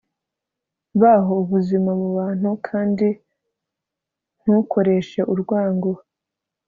baho ubuzima mu mahoro kandi ntukoreshe urwango